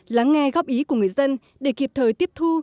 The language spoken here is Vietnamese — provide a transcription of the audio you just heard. lắng nghe góp ý của người dân để kịp thời tiếp thu